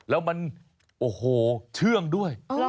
แล้วมันโอ้โหเชื่องด้วย